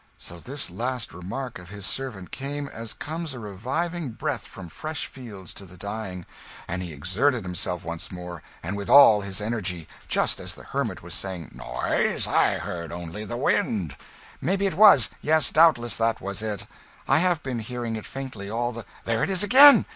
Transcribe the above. So this last remark of his servant came as comes a reviving breath from fresh fields to the dying; and he exerted himself once more, and with all his energy, just as the hermit was saying "Noise? I heard only the wind." "Mayhap it was. Yes, doubtless that was it. I have been hearing it faintly all the there it is again!